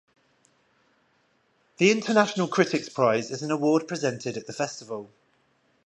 The International Critics' prize is an award presented at the festival.